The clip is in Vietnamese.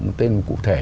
một tên cụ thể